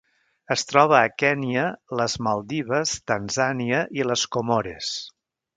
Es troba a Kenya, les Maldives, Tanzània i les Comores.